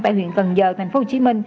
tại huyện cần giờ tp hcm